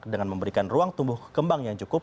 dengan memberikan ruang tumbuh kembang yang cukup